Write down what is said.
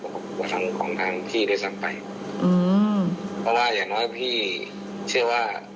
กว่าทั้งของทางพี่ด้วยซ้ำไปเพราะว่าอย่างน้อยพี่เชื่อว่า